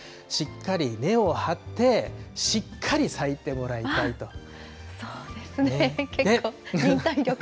しっかり根を張って、しっかり咲いてもらいたいと。